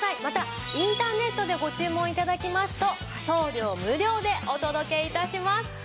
またインターネットでご注文頂きますと送料無料でお届け致します。